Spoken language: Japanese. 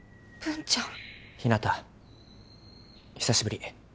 久しぶり。